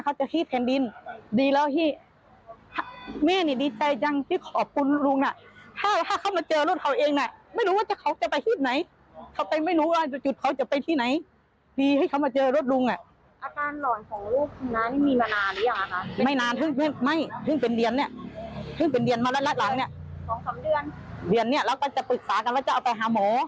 เขาจะไปที่ไหนดีให้เขามาเจอรถลุงอ่ะอาการหล่อนของลูก